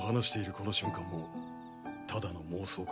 この瞬間もただの妄想か。